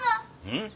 うん？